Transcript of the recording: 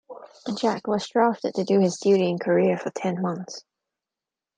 Jack was drafted to do his duty in Korea for ten months.